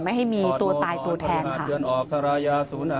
ไม่ให้มีตัวตายตัวแทน